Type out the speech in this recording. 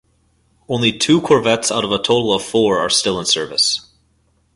Only two corvettes out of a total of four are still in service.